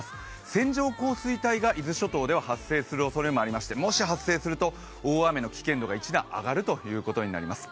線状降水帯が伊豆諸島では発生するおそれもありましてもし発生すると大雨の危険度が１段上がるということになります。